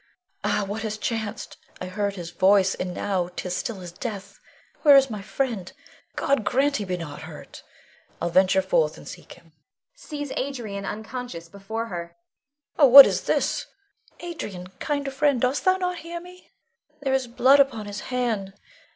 Ah, what has chanced? I heard his voice, and now 'tis still as death. Where is my friend? God grant he be not hurt! I'll venture forth and seek him [sees Adrian unconscious before her]. Oh, what is this? Adrian, kind friend, dost thou not hear me? There is blood upon his hand!